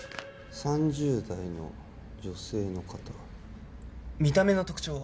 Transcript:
３０代の女性の方見た目の特徴は？